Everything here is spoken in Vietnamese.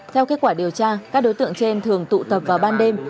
theo kết quả điều tra các đối tượng trên thường tụ tập vào ban đêm